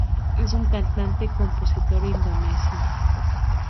Es un cantante y compositor indonesio.